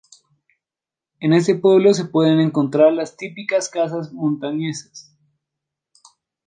En este pueblo se pueden encontrar las típicas casas montañesas.